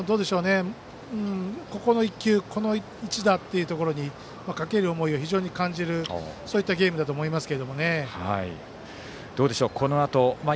この一球、この一打というところにかける思いを非常に感じるそういったゲームだと思いますが。